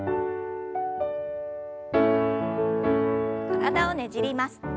体をねじります。